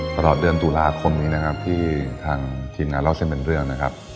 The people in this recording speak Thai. ตลอดเดือนตุลาคมนี้นะครับที่ทางทีมงานเล่าเส้นเป็นเรื่องนะครับ